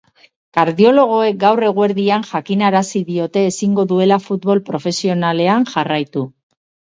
Kardiologoek gaur eguerdian jakinarazi diote ezingo duela futbol profesionalean jarraitu.